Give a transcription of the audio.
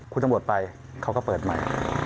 คุณสังบัติไปเขาก็เปิดใหม่